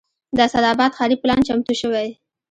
د اسداباد ښاري پلان چمتو شوی